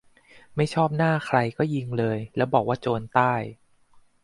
"ไม่ชอบหน้าใครก็ยิงเลย แล้วบอกว่าโจรใต้"